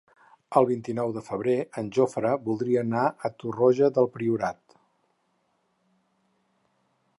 El vint-i-nou de febrer en Jofre voldria anar a Torroja del Priorat.